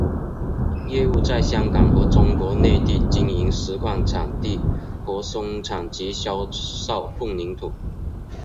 业务在香港和中国内地经营石矿场地和生产及销售混凝土。